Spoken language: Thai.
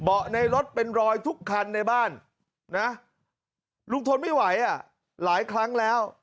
ในรถเป็นรอยทุกคันในบ้านนะลุงทนไม่ไหวอ่ะหลายครั้งแล้ว